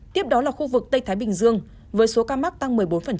tiếp đó là khu vực tây thái bình dương với số ca mắc tăng một mươi bốn